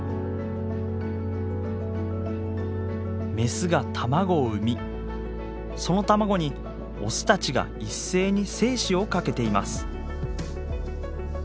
メスが卵を産みその卵にオスたちが一斉に精子をかけています。